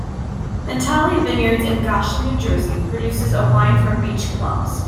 Natali Vineyards in Goshen, New Jersey produces a wine from beach plums.